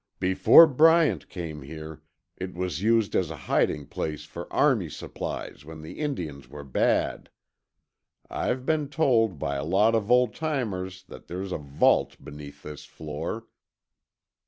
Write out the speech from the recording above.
"Before Bryant came here, it was used as a hiding place for army supplies when the Indians were bad. I've been told by a lot of old timers that there's a vault beneath this floor."